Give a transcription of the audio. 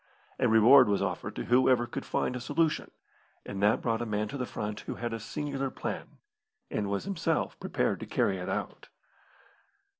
A reward was offered to whoever could find a solution, and that brought a man to the front who had a singular plan, and was himself prepared to carry it out.